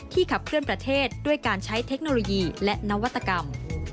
ขับเคลื่อนประเทศด้วยการใช้เทคโนโลยีและนวัตกรรม